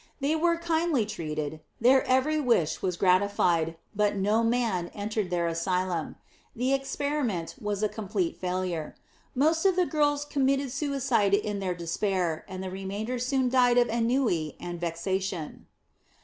They were kindly treated; their every wish was gratified; but no man entered their asylum. The experiment was a complete failure. Most of the girls committed suicide in their despair, and the remainder soon died of ennui and vexation.